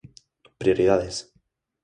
Prioridades